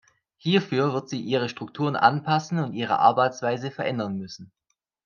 Hierfür wird sie ihre Strukturen anpassen und ihre Arbeitsweise verändern müssen.